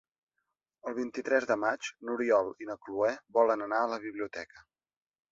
El vint-i-tres de maig n'Oriol i na Cloè volen anar a la biblioteca.